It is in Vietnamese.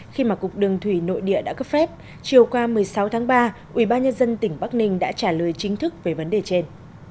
khi mà cục đường thủy nội địa đã cấp phép chiều qua một mươi sáu tháng ba ủy ban nhân dân tỉnh bắc ninh đã trả lời chính thức về vấn đề trên